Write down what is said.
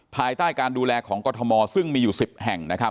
ภายใต้การดูแลของกรทมซึ่งมีอยู่๑๐แห่ง